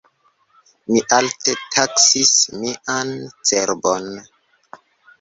Mi alte taksis mian cerbon.